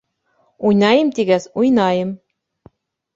Уйнайым тигәс, уйнайым!